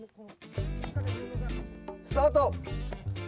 スタート！